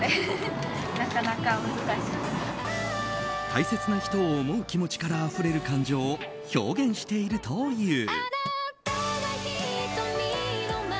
大切な人を思う気持ちからあふれる感情を表現しているという。